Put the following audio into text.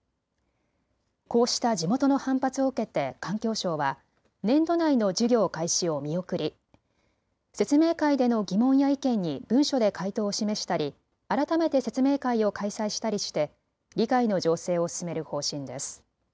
こうした地元の反発を受けて環境省は年度内の事業開始を見送り、説明会での疑問や意見に文書で回答を示したり改めて説明会を開催したりして理解の醸成を進める方針です。